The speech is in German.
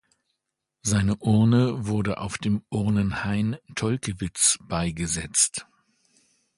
Seine Urne wurde auf dem Urnenhain Tolkewitz beigesetzt.